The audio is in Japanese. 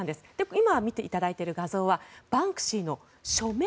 今見ていただいている画像はバンクシーの署名